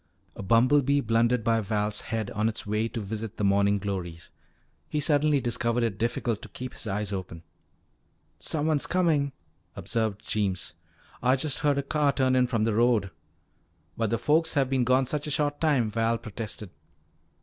A bumblebee blundered by Val's head on its way to visit the morning glories. He suddenly discovered it difficult to keep his eyes open. "Someone's comin'," observed Jeems. "Ah just heard a car turn in from the road." "But the folks have been gone such a short time," Val protested.